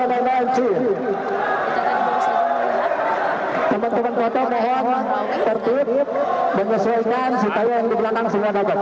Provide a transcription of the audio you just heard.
teman teman kota mohon tertutup menyesuaikan si tayang di belakang semua terima kasih